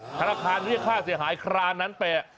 ธนาคารวิทยาค่าเสียหายคลานั้นไป๕๘๐๐๐